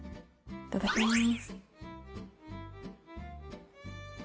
いただきます。